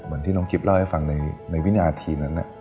เหมือนที่น้องกิ๊บเล่าให้ฟังในวินาทีนั้น